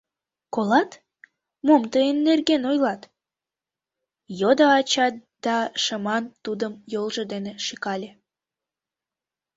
— Колат, мом тыйын нерген ойлат? — йодо ача да шыман тудым йолжо дене шӱкале.